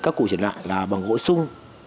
các cụ trở lại là bằng gỗ sung